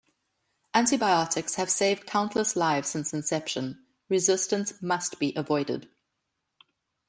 Anti-biotics have saved countless lives since inception, resistance must be avoided.